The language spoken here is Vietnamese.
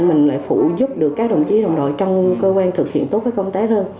mình lại phụ giúp được các đồng chí đồng đội trong cơ quan thực hiện tốt cái công tác hơn